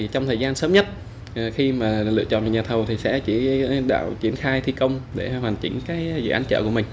trong thời gian sớm nhất khi mà lựa chọn được nhà thầu thì sẽ chỉ đạo triển khai thi công để hoàn chỉnh dự án chợ của mình